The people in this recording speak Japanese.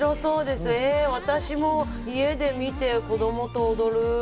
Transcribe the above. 私も家で見て子供と踊る。